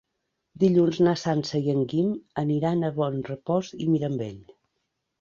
Dilluns na Sança i en Guim aniran a Bonrepòs i Mirambell.